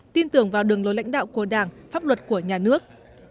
tin tưởng vào đường lối lãnh đạo của đảng pháp luật của nhà nước